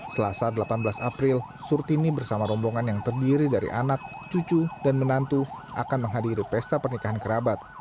selasa delapan belas april surtini bersama rombongan yang terdiri dari anak cucu dan menantu akan menghadiri pesta pernikahan kerabat